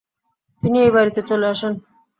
তিনি এই বাড়িতে চলে আসেন।